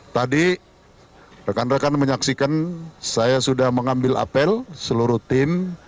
tadi rekan rekan menyaksikan saya sudah mengambil apel seluruh tim